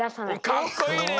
かっこいいね！